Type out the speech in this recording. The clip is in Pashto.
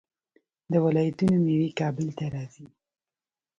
د ولایتونو میوې کابل ته راځي.